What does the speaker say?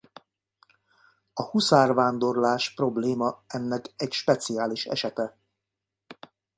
A huszárvándorlás-probléma ennek egy speciális esete.